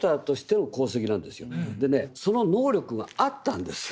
でねその能力があったんですよ。